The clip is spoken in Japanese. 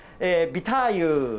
ビターユ。